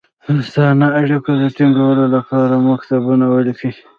دوستانه اړېکو د تینګولو لپاره مکتوبونه ولیکي.